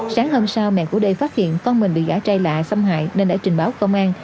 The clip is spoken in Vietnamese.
sáng hôm sau mẹ của đê phát hiện con mình bị gã trai lạ xâm hại nên đã trình báo công an